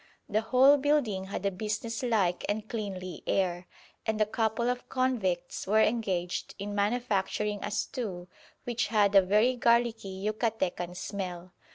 The whole building had a businesslike and cleanly air, and a couple of convicts were engaged in manufacturing a stew which had a very garlicky Yucatecan smell.